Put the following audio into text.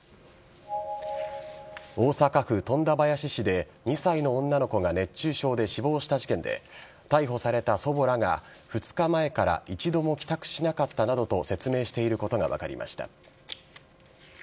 大阪府富田林市で２歳の女の子が熱中症で死亡した事件で逮捕された祖母らが２日前から一度も帰宅しなかったなどと説明していることが分かりました。